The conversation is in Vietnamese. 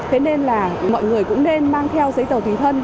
thế nên là mọi người cũng nên mang theo giấy tờ tùy thân